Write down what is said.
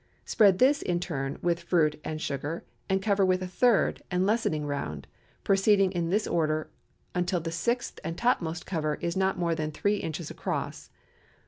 Spread this, in turn, with fruit and sugar, and cover with a third and lessening round; proceeding in this order until the sixth and topmost cover is not more than three inches across.